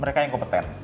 mereka yang kompeten